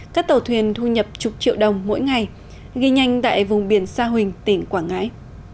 các tàu thuyền thu nhập chục triệu đồng mỗi ngày ghi nhanh tại vùng biển sa huỳnh tỉnh quảng ngãi